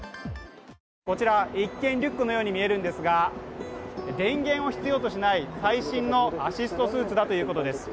こちら、一見、リュックのように見えるんですが電源を必要としない最新のアシストスーツだということです。